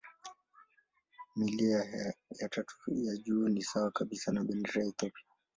Milia ya tatu ya juu ni sawa kabisa na bendera ya Ethiopia.